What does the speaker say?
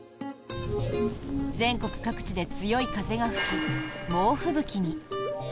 全国各地で強い風が吹き猛吹雪に。